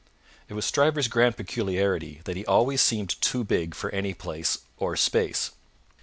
It was Stryver's grand peculiarity that he always seemed too big for any place, or space.